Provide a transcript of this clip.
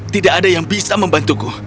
tidak ada yang bisa membantuku